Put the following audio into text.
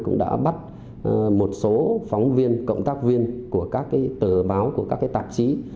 cũng đã bắt một số phóng viên cộng tác viên của các tờ báo của các tạp chí